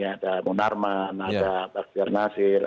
ada munarman ada pak jarnasir